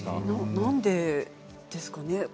なんでですかね。